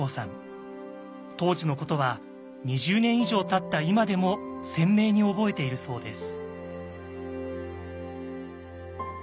当時のことは２０年以上たった今でも鮮明に覚えているそうです。